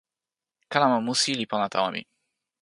kalama musi li pona tawa mi.